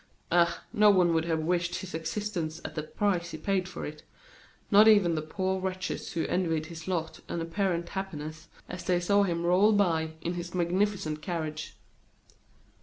Ah! no one would have wished his existence at the price he paid for it not even the poor wretches who envied his lot and his apparent happiness, as they saw him roll by in his magnificent carriage.